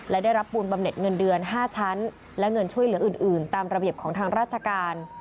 และได้รับปูนบำเน็ตเงินเดือน๕ชั้นและเงินช่วยเหลืออื่นตามระเบียบของทางราชการ